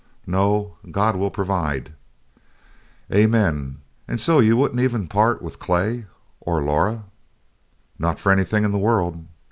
"No. God will provide" "Amen. And so you wouldn't even part with Clay? Or Laura!" "Not for anything in the world.